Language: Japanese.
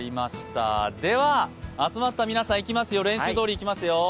では、集まった皆さん、練習どおりいきますよ。